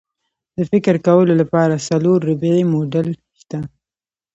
د فکر کولو لپاره څلور ربعي موډل شته.